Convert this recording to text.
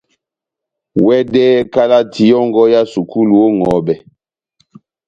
Wɛdɛhɛ kalati yɔ́ngɔ ya sukulu ó ŋʼhɔbɛ.